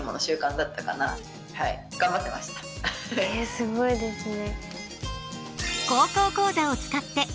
すごいですね。